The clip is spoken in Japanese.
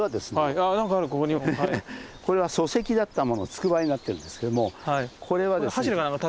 ああ何かあるここにも。これは礎石だったものをつくばいになってるんですけどもこれはですね。